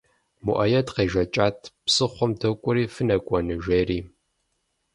Муаед къежэкӏат «Псыхъуэм докӏуэри, фынэкӏуэну?» жери.